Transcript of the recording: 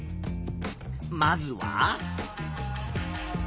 まずは？